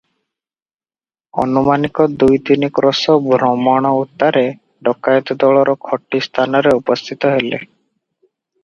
ଅନୁମାନିକ ଦୁଇ ତିନି କ୍ରୋଶ ଭ୍ରମଣ ଉତ୍ତାରେ ଡକାଏତ ଦଳର ଖଟି ସ୍ଥାନରେ ଉପସ୍ଥିତ ହେଲେ ।